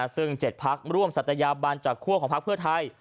ซึ่ง๗ภักดิ์ร่วมสัตยาบัญจักรของภักดิ์เพื่อไทย